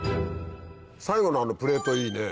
最後のあのプレートいいね。